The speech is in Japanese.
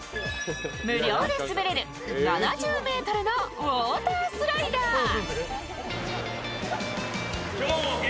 無料で滑れる７０ｍのウォータースライダー。